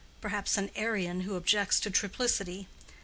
—perhaps an Arian who objects to triplicity.